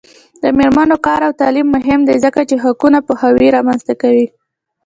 د میرمنو کار او تعلیم مهم دی ځکه چې حقونو پوهاوی رامنځته کوي.